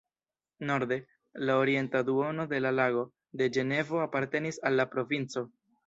Norde, la orienta duono de la Lago de Ĝenevo apartenis al la provinco.